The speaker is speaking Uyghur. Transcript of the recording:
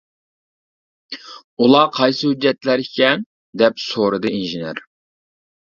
-ئۇلار قايسى ھۆججەتلەر ئىكەن؟ -دەپ سورىدى ئىنژېنېر.